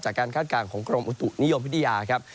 คาดการณ์ของกรมอุตุนิยมวิทยาครับ